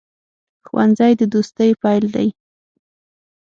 ښوونځی د دوستۍ پیل دی